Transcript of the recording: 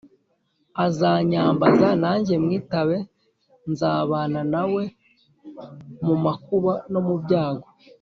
azanyambaza nanjye mwitabe, nzabana na we mu makuba no mu byago,